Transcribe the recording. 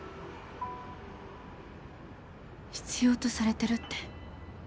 必要とされてるって